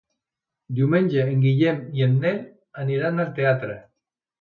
Diumenge en Guillem i en Nel aniran al teatre.